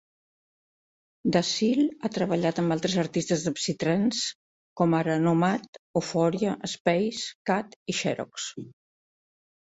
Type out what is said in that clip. Dassulle ha treballat amb altres artistes de psytrance, com ara Nomad, Oforia, Space Cat i Xerox.